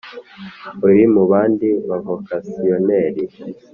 uri mu bandi bavokasiyoneli